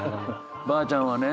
ばあちゃんはね。